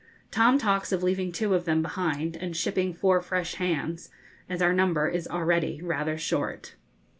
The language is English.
Tom talks of leaving two of them behind, and shipping four fresh hands, as our number is already rather short.